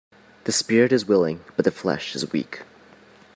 The spirit is willing but the flesh is weak